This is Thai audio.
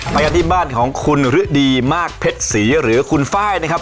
ไปการที่บ้านของคุณหรืดี่มากเพ็ดศรีหรือคุณฝ่ายนะครับ